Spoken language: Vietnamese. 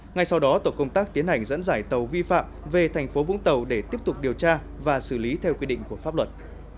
ngay sau đó tổ công tác tiến hành dẫn dải tàu vi phạm về thành phố vũng tàu để tiếp tục điều tra và xử lý theo quy định của pháp luật